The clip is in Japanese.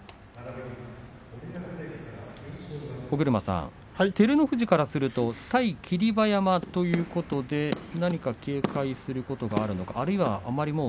尾車さん、照ノ富士からすると対霧馬山ということで何か警戒することはありますか。